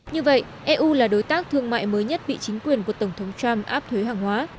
như vậy eu là đối tác thương mại mới nhất bị chính quyền của tổng thống trump áp thuế hàng hóa